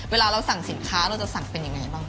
เวลาเราสั่งสินค้าเราจะสั่งเป็นยังไงบ้าง